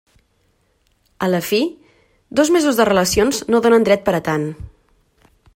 A la fi, dos mesos de relacions no donen dret per a tant.